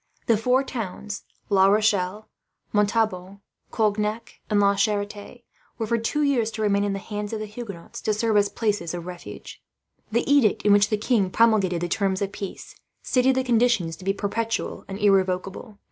The four towns, La Rochelle, Montauban, Cognac, and La Charite were, for two years, to remain in the hands of the Huguenots, to serve as places of refuge. The edict, in which the king promulgated the terms of peace, stated the conditions to be perpetual and irrevocable.